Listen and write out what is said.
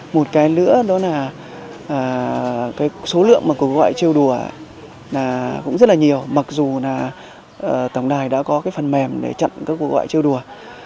một cái nữa đó là cái số lượng mà cuộc gọi trêu đùa là cũng rất là nhiều mặc dù là tổng đài đã có cái phần mềm để chặn các cuộc gọi trêu đùa